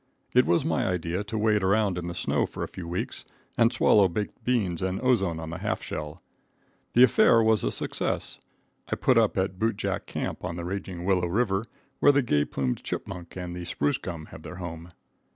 It was my idea to wade around in the snow for a few weeks and swallow baked beans and ozone on the 1/2 shell. The affair was a success. I put up at Bootjack camp on the raging Willow River, where the gay plumaged chipmunk and the spruce gum have their home.